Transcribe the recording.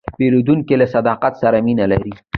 پیرودونکی له صداقت سره مینه لري.